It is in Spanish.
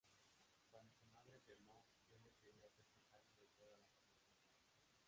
Cuando su madre enfermó, Violet debió hacerse cargo de toda la familia.